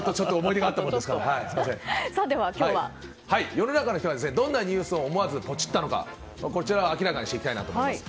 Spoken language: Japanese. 世の中の人はどんなニュースを思わずポチったのかこちらを明らかにしていきたいと思います。